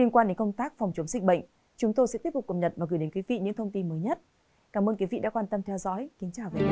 cảm ơn các bạn đã theo dõi và hẹn gặp lại